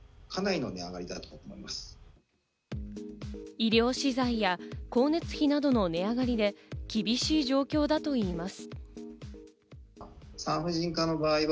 医療資材や光熱費などの値上がりで、厳しい状況だといいます。